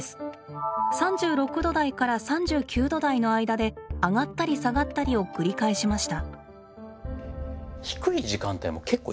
３６度台から３９度台の間で上がったり下がったりを繰り返しました。